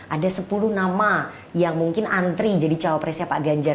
ada sepuluh nama yang mungkin antri jadi cawapresnya pak ganjar